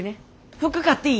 服買っていい？